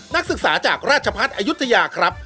นักศึกษาจากราชพัฒน์อายุทยาครับ